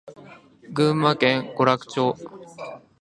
群馬県邑楽町